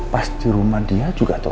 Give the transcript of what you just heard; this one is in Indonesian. pas di rumah dia juga tahu